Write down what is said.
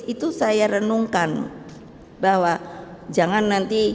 itu saya renungkan bahwa jangan nanti